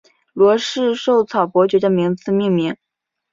罗氏绶草伯爵的名字命名。